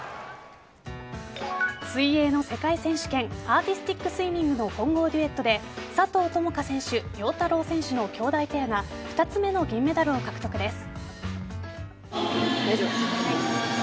水泳の世界選手権アーティスティックスイミングの混合デュエットで佐藤友花選手・陽太郎選手のきょうだいペアが２つ目の銀メダルを獲得です。